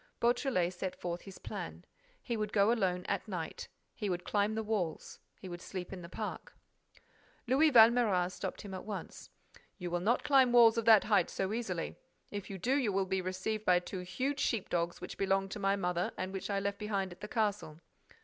Beautrelet set forth his plan. He would go alone at night; he would climb the walls; he would sleep in the park— Louis Valméras stopped him at once: "You will not climb walls of that height so easily. If you do, you will be received by two huge sheep dogs which belonged to my mother and which I left behind at the castle."